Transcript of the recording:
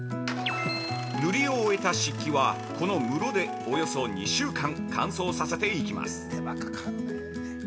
塗りを終えた漆器はこの室でおよそ２週間乾燥させていきます。